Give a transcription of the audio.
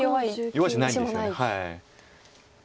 弱い石ないんですよね。